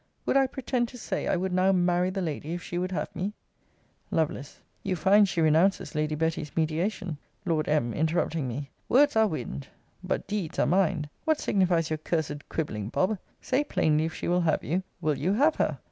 Would I pretend to say, I would now marry the lady, if she would have me? Lovel. You find she renounces Lady Betty's mediation Lord M. [Interrupting me.] Words are wind; but deeds are mind: What signifies your cursed quibbling, Bob? Say plainly, if she will have you, will you have her?